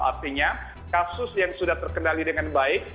artinya kasus yang sudah terkendali dengan baik